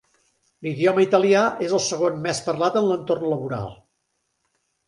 L'idioma italià és el segon més parlat en l'entorn laboral.